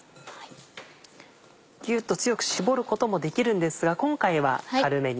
ギュっと強く絞ることもできるんですが今回は軽めに。